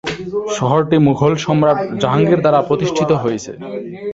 শহরটি মুঘল সম্রাট জাহাঙ্গীর দ্বারা প্রতিষ্ঠিত হয়েছে।